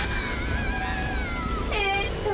えっと